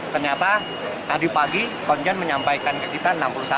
ternyata tadi pagi konjen menyampaikan ke kita enam puluh satu